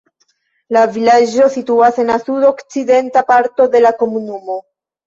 La vilaĝo situas en la sudokcidenta parto de la komunumo.